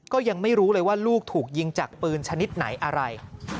ก็ยังไม่รู้เลยว่าลูกถูกยิงจากปืนชนิดไหนอะไร